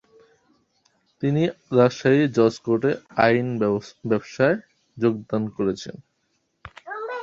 তিনি রাজশাহী জজকোর্টে আইন ব্যবসায় যোগদান করেন।